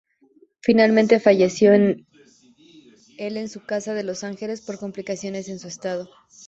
Finalmente falleció el en su casa de Los Ángeles por complicaciones en su estado.